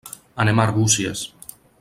Anem a Arbúcies.